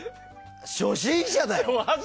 初心者だよ？